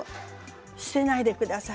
捨てないでください